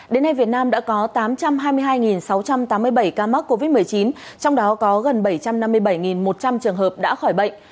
đến nay việt nam đã có tám trăm hai mươi hai sáu trăm tám mươi bảy ca mắc covid một mươi chín trong đó có gần bảy trăm năm mươi bảy một trăm linh trường hợp đã khỏi bệnh